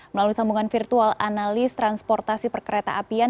melalui sambungan virtual analis transportasi perkereta apian